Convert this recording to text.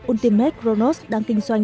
ultimate kronos đang kinh doanh